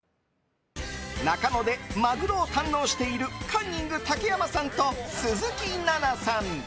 中野で、マグロを堪能しているカンニング竹山さんと鈴木奈々さん。